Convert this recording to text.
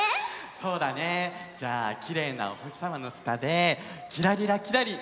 そうだねじゃあきれいなおほしさまのしたで「きらりらきらりん」